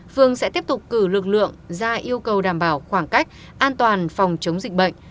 phương sẽ tiếp tục cử lực lượng ra yêu cầu đảm bảo khoảng cách an toàn phòng chống dịch bệnh